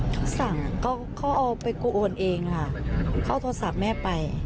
เขาสั่งเขาเอาไปกูโอนเองค่ะเขาเอาโทรศัพท์แม่ไป